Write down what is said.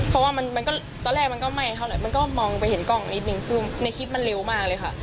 เพราะว่ามันก็ตอนแรกมันก็ไหม้เท่าไหร่มันก็มองไปเห็นกล้องนิดนึงคือในคลิปมันเร็วมากเลยค่ะ